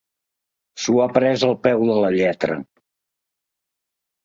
S'ho ha pres al peu de la lletra.